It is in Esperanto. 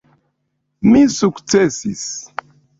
Mi sukcesis.